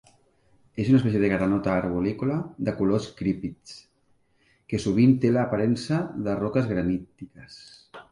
És una espècie de granota arborícola de colors críptics, que sovint té l'aparença de roques granítiques.